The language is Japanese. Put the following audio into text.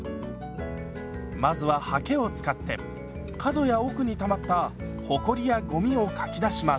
まずははけを使って角や奥にたまったほこりやごみをかき出します。